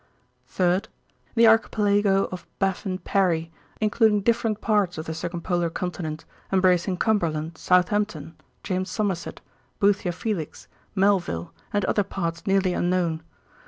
3d. The archipelago of Baffin Parry, including different parts of the circumpolar continent, embracing Cumberland, Southampton, James Sommerset, Boothia Felix, Melville, and other parts nearly unknown.